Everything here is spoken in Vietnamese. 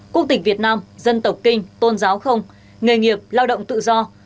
quốc tịch việt nam dân tộc kinh tôn giáo không nghề nghiệp lao động tự do